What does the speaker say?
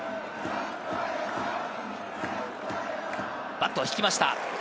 バットを引きました。